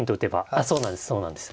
あっそうなんですそうなんです。